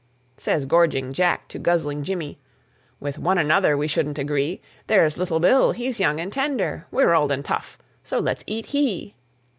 Says gorging Jack to guzzling Jimmy, "With one another, we shouldn't agree! There's little Bill, he's young and tender, We're old and tough, so let's eat he."